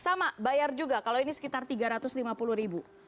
sama bayar juga kalau ini sekitar tiga ratus lima puluh ribu